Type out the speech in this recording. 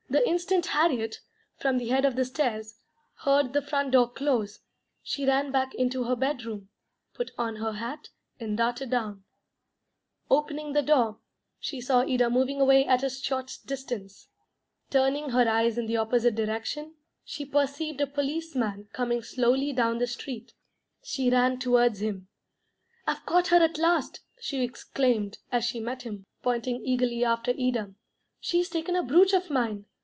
The instant Harriet, from the head of the stairs, heard the front door close, she ran back into her bed room, put on her hat, and darted down. Opening the door, she saw Ida moving away at a short distance. Turning her eyes in the opposite direction, she perceived a policeman coming slowly down the street. She ran towards him. "I've caught her at last," she exclaimed, as she met him, pointing eagerly after Ida. "She's taken a brooch of mine.